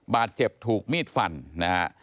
บาดเจ็บถูกมีดฝั่นนะครับ